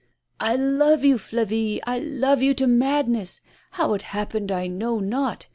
"1 love you, Flavie, I love you to madness! How it happened I know not.